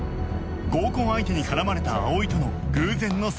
合コン相手に絡まれた葵との偶然の再会